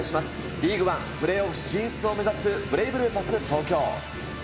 リーグワン、プレーオフ進出を目指すブレイブルーパス東京。